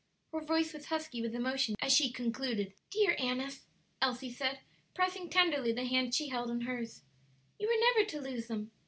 Her voice was husky with emotion as she concluded. "Dear Annis," Elsie said, pressing tenderly the hand she held in hers, "you are never to lose them.